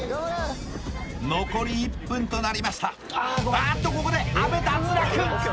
あーっとここで阿部脱落！